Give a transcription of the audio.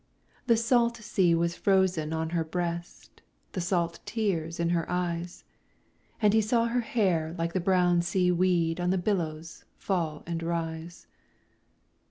The salt sea was frozen on her breast, The salt tears in her eyes; And he saw her hair like the brown sea weed On the billows fall and rise.